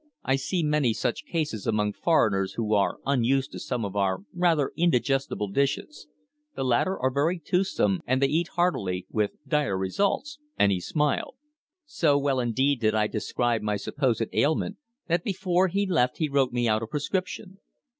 "I see many such cases among foreigners who are unused to some of our rather indigestible dishes. The latter are very toothsome, and they eat heartily with dire results," and he smiled. So well indeed did I describe my supposed ailment that before he left he wrote me out a prescription.